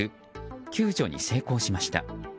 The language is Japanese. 救助に成功しました。